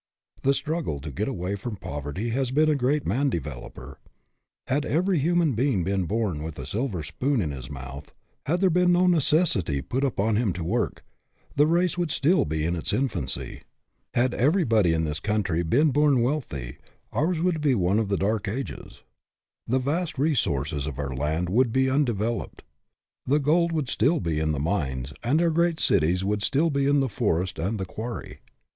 The struggle to get away from poverty has been a great man developer. Had every hu man being been born with a silver spoon in his mouth had there been no necessity put upon him to work the race would still be in its infancy. Had everybody in this country been 237 238 GETTING AWAY FROM POVERTY born wealthy, ours would be one of the dark ages. The vast resources of our land would still be undeveloped, the gold would still be in the mines, and our great cities would still be in the forest and the quarry.